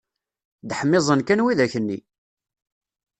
Dehmiẓen kan widak-nni!